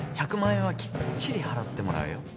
１００万円はきっちり払ってもらうよ。